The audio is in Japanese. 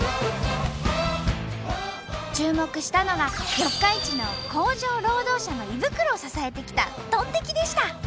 注目したのが四日市の工場労働者の胃袋を支えてきたトンテキでした。